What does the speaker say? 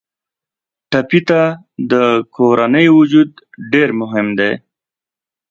ټپي ته د کورنۍ وجود ډېر مهم دی.